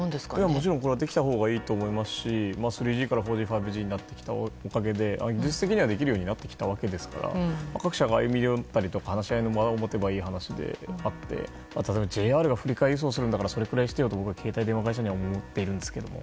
もちろん、できたほうがいいと思いますし３Ｇから４Ｇ、５Ｇになってきて技術的には、できるようになってきたわけですから各社が歩み寄ったり話し合いの場を持てばよくて例えば、ＪＲが振り替え輸送するんだからそれくらいしてよって僕は携帯電話会社には思ってるんですけども。